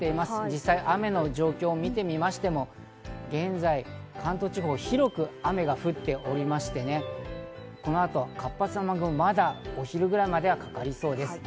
実際、雨の状況を見てみましても、現在、関東地方、広く雨が降っておりまして、この後、活発な雨雲、まだお昼ぐらいまではかかりそうです。